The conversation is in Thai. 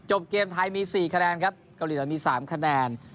เกมไทยมี๔คะแนนครับเกาหลีเรามี๓คะแนน